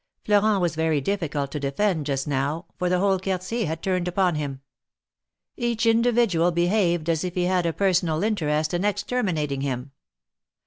Florent was very difficult to defend just now, for the whole Quartier had turned upon him. Each individual behaved as if he had a personal interest in exterminating him.